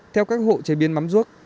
theo các hộ chế biến mắm rút